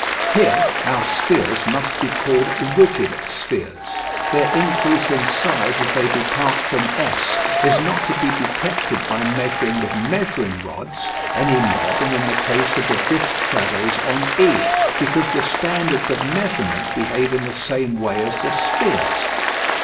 Here our spheres must be called "rigid" spheres. Their increase in size as they depart from S is not to be detected by measuring with measuring rods, any more than in the case of the disc shadows on E, because the standards of measurement behave in the same way as the spheres.